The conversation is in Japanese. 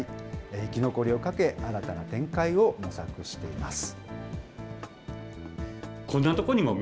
生き残りを懸け、新たな展開を模索しています。